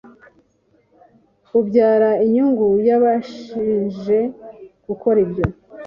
bubyara inyungu yabashije gukora ibyo